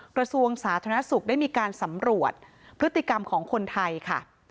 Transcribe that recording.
กระทรวงสาธารณสุขได้มีการสำรวจพฤติกรรมของคนไทยค่ะ